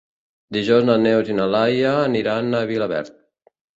Dijous na Neus i na Laia aniran a Vilaverd.